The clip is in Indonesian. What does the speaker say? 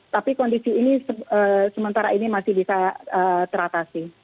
tapi kondisi ini sementara ini masih bisa teratasi